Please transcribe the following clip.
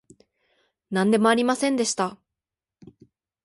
なんでもありませんでした